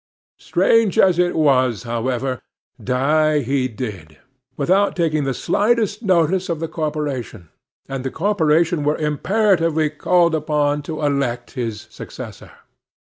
Strange as it was, however, die he did, without taking the slightest notice of the corporation; and the corporation were imperatively called upon to elect his successor.